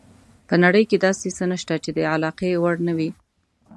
په نړۍ کې داسې څه نشته چې د علاقې وړ نه وي.